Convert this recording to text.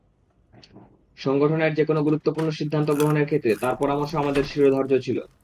সংগঠনের যেকোনো গুরুত্বপূর্ণ সিদ্ধান্ত গ্রহণের ক্ষেত্রে তাঁর পরামর্শ আমাদের শিরোধার্য ছিল।